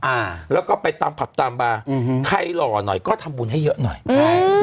อ่าแล้วก็ไปตามผับตามบาร์อืมใครหล่อหน่อยก็ทำบุญให้เยอะหน่อยใช่